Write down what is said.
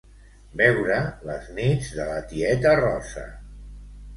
Veure "Les nits de la tieta Rosa".